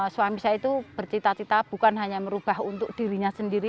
suami saya itu bercita cita bukan hanya merubah untuk dirinya sendiri